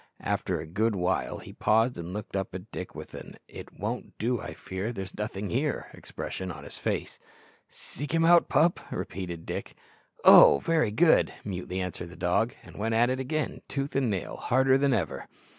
After a good while he paused and looked up at Dick with an "it won't do, I fear, there's nothing here" expression on his face. "Seek him out, pup!" repeated Dick. "Oh! very good," mutely answered the dog, and went at it again, tooth and nail, harder than ever.